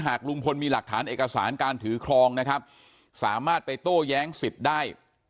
ลุงพลมีหลักฐานเอกสารการถือครองนะครับสามารถไปโต้แย้งสิทธิ์ได้